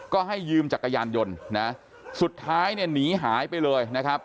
ก็ให้ยืมจักรยานยนต์นะสุดท้ายเนี่ยหนีหายไปเลยนะครับ